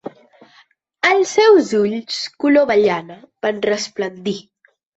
Els seus ulls color avellana van resplendir.